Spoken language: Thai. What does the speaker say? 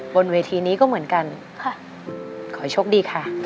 บนเวทีนี้ก็เหมือนกันค่ะขอให้โชคดีค่ะ